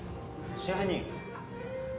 支配人。